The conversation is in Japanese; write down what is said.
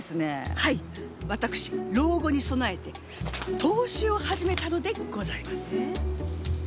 はいわたくし老後に備えて投資を始めたのでございます。